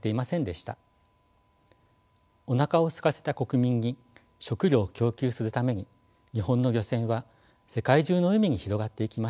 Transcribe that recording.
おなかをすかせた国民に食糧を供給するために日本の漁船は世界中の海に広がっていきました。